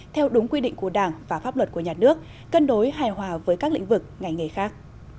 theo đúng quy định của đảng và pháp luật của nhà nước cân đối hài hòa với các lĩnh vực ngành nghề khác